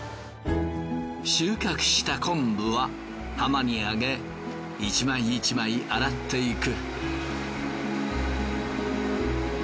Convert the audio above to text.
収穫した昆布は浜にあげ一枚一枚洗っていく。